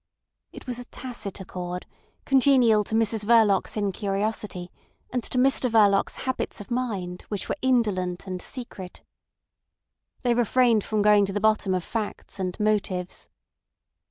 It was a tacit accord, congenial to Mrs Verloc's incuriosity and to Mr Verloc's habits of mind, which were indolent and secret. They refrained from going to the bottom of facts and motives.